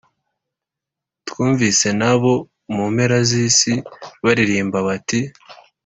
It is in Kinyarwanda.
Twumvise n’abo mu mpera z’isi baririmba bati